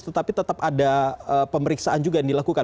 tetapi tetap ada pemeriksaan juga yang dilakukan